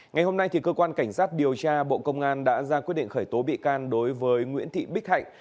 ngày hôm nay cơ quan cảnh sát điều tra bộ công an đã ra quyết định khởi tố bị can đối với nguyễn thị bích hạnh